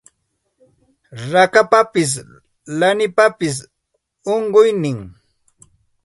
Rakapapas lanipapas unquynin